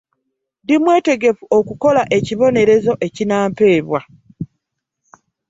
Ndi mwetegefu okukola ekibonerezo ekinampeebwa.